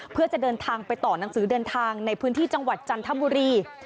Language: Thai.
เพื่อจะเดินทางไปต่อหนังสือเดินทางในพื้นที่จังหวัดจันทบุรี